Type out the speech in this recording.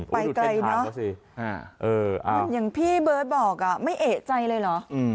ไปไกลเนอะอย่างพี่เบิร์ตบอกไม่เอกใจเลยเหรอ